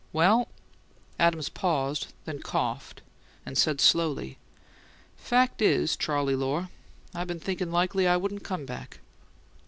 "Well " Adams paused, then coughed, and said slowly, "Fact is, Charley Lohr, I been thinking likely I wouldn't come back."